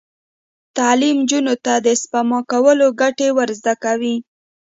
تعلیم نجونو ته د سپما کولو ګټې ور زده کوي.